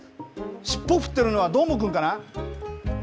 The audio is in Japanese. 尻尾を振ってるのはどーもくんかな。